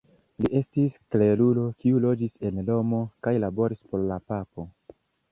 Li estis klerulo kiu loĝis en Romo kaj laboris por la papo.